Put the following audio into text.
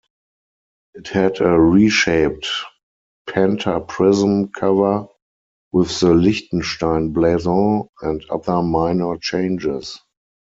It had a reshaped pentaprism cover, with the Liechtenstein blason, and other minor changes.